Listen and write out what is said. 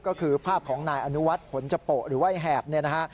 ก็คือภาพของนายอนุวัฒน์ผลจโปะหรือว่าไอ้แหบเนี่ยนะฮะ